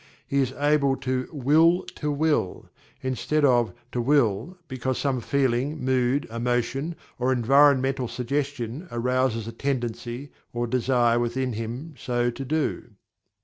He is able to "Will to will," instead of to will because some feeling, mood, emotion, or environmental suggestion arouses a tendency or desire within him so to do.